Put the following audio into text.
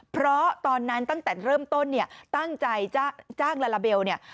เพราะตอนนั้นตั้งแต่เริ่มต้นเนี่ยตั้งใจจะจ้างลาลาเบลเนี่ย